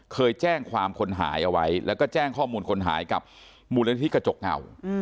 เคยแจ้งความคนหายเอาไว้แล้วก็แจ้งข้อมูลคนหายกับมูลนิธิกระจกเงา